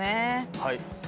はい。